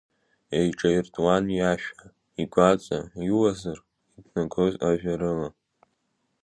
Еиҿаиртәуан иашәа, игәаҵа иуазыр иҭнагоз ажәа рыла.